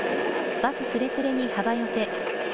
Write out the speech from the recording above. バスすれすれに幅寄せ。